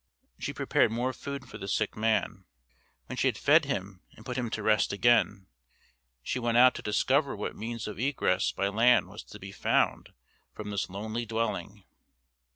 She prepared more food for the sick man. When she had fed him and put him to rest again, she went out to discover what means of egress by land was to be found from this lonely dwelling.